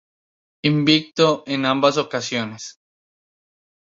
Invicto en ambas ocasiones.